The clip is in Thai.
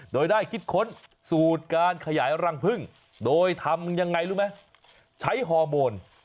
โดยได้คิดค้นสูตรการขยายรังพึ่งโดยทำยังไงรู้ไหมใช้ฮอร์โมน